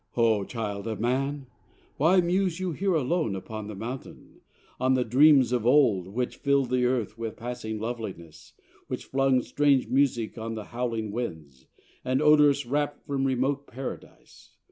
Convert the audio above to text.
'O child of man, why muse you here alone Upon the Mountain, on the dreams of old Which fill'd the Earth with passing loveliness, Which flung strange music on the howling winds, And odours rapt from remote Paradise?